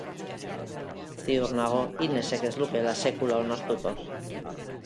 Ziur nago Inesek ez lukeela sekula onartuko.